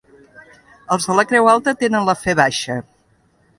Els de la Creu Alta tenen la fe baixa.